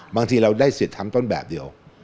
บางทีเราได้สิทธิ์ทำต้นแบบเดียว